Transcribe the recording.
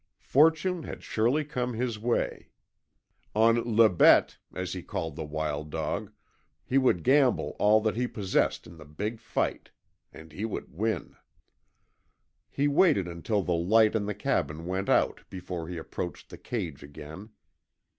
Fortune had surely come his way. On LE BETE, as he called the wild dog, he would gamble all that he possessed in the big fight. And he would win. He waited until the light in the cabin went out before he approached the cage again.